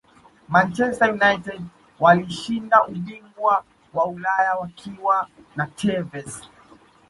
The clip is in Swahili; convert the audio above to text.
manchester united walishinda ubingwa wa ulaya wakiwa na tevez